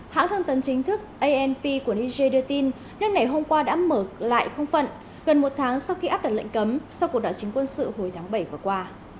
hãng thông tấn chính thức anp của niger đưa tin nước này hôm qua đã mở lại không phận gần một tháng sau khi áp đặt lệnh cấm sau cuộc đảo chính quân sự hồi tháng bảy vừa qua